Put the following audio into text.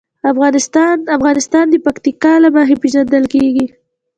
افغانستان د پکتیکا له مخې پېژندل کېږي.